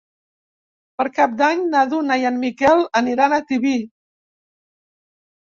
Per Cap d'Any na Duna i en Miquel aniran a Tibi.